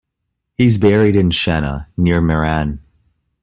He is buried in Schenna near Meran.